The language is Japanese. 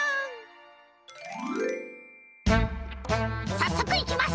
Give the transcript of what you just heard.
さっそくいきます！